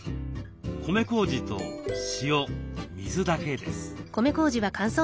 米こうじと塩水だけです。